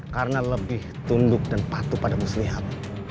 karena lebih tunduk dan patuh pada muslihat